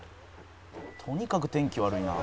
「とにかく天気悪いな」